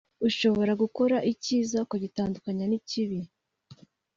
ushobora gukora icyiza ukagitandukanya n’ikibi